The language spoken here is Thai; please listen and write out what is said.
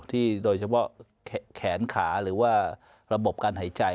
โดยเฉพาะแขนขาหรือว่าระบบการหายใจ